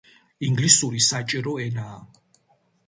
ინგლისური საჭირო ენაა.